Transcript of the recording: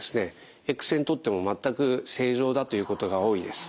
エックス線撮っても全く正常だということが多いです。